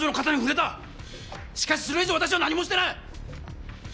しかしそれ以上私は何もしてない！